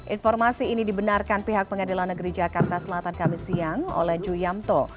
informasi ini dibenarkan pihak pengadilan negeri jakarta selatan kami siang oleh ju yamto